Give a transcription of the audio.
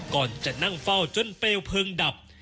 ก่อนจะนั่งเฝ้าจนเปลวเพลิงดับ